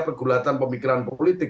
pergulatan pemikiran politik